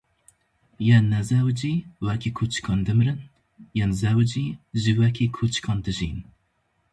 Yên nezewicî wekî kûçikan dimirin, yên zewicî jî wekî kûçikan dijîn.